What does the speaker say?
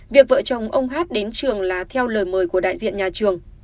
việc vợ chồng ông hát đến trường là theo lời mời của đại diện nhà trường